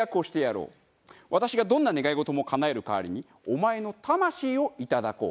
私がどんな願い事もかなえる代わりにお前の魂をいただこう。